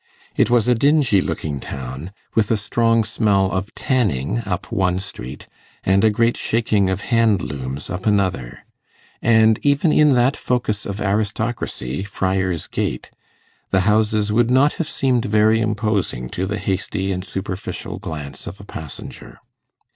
It was a dingy looking town, with a strong smell of tanning up one street and a great shaking of hand looms up another; and even in that focus of aristocracy, Friar's Gate, the houses would not have seemed very imposing to the hasty and superficial glance of a passenger.